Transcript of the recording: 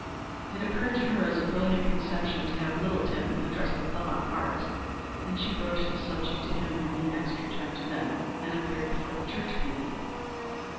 It occurred to her as a brilliant conception to have Littleton address the club on "Art," and she broached the subject to him when he next returned to Benham and appeared before the church committee.